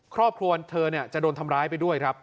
ครอบครัวเธอจะโดนทำร้ายไปด้วยครับ